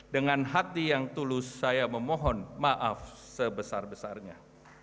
dengan hati yang tulus saya memohon maaf sebesar besarnya